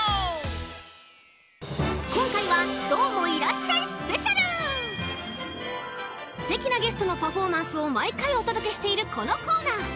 こんかいはすてきなゲストのパフォーマンスをまいかいおとどけしているこのコーナー。